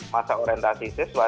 masa orientasi siswa